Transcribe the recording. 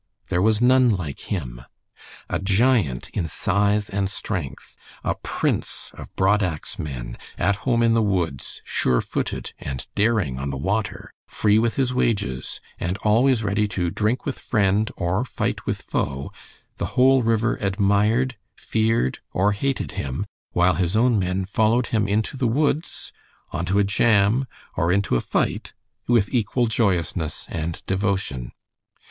There was none like him. A giant in size and strength, a prince of broad axe men, at home in the woods, sure footed and daring on the water, free with his wages, and always ready to drink with friend or fight with foe, the whole river admired, feared, or hated him, while his own men followed him into the woods, on to a jam, or into a fight with equal joyousness and devotion.